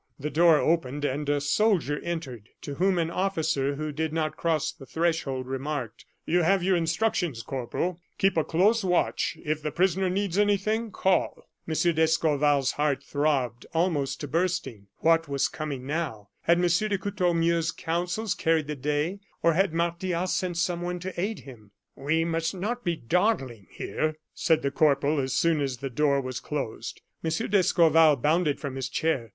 The door opened and a soldier entered, to whom an officer who did not cross the threshold remarked: "You have your instructions, Corporal, keep a close watch. If the prisoner needs anything, call." M. de Escorval's heart throbbed almost to bursting. What was coming now? Had M. de Courtornieu's counsels carried the day, or had Martial sent someone to aid him? "We must not be dawdling here," said the corporal, as soon as the door was closed. M. d'Escorval bounded from his chair.